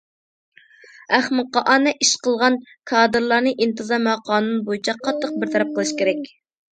ئەخمىقانە ئىش قىلغان كادىرلارنى ئىنتىزام ۋە قانۇن بويىچە قاتتىق بىر تەرەپ قىلىش كېرەك.